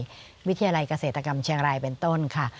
วิทยาลัยเกษตรกรรมเชียงรายเป็นต้นค่ะ